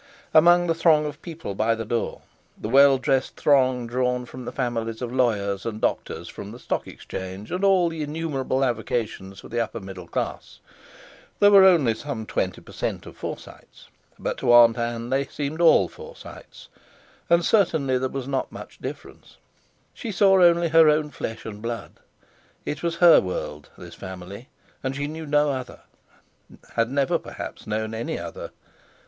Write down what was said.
Amongst the throng of people by the door, the well dressed throng drawn from the families of lawyers and doctors, from the Stock Exchange, and all the innumerable avocations of the upper middle class—there were only some twenty percent of Forsytes; but to Aunt Ann they seemed all Forsytes—and certainly there was not much difference—she saw only her own flesh and blood. It was her world, this family, and she knew no other, had never perhaps known any other.